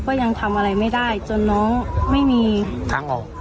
ก็ยังทำอะไรไม่ได้จนน้องไม่มีทางออก